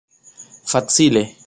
facile